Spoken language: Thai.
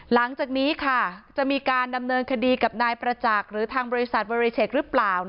หลังจากนี้ค่ะจะมีการดำเนินคดีกับนายประจักษ์หรือทางบริษัทเวอเรเชคหรือเปล่า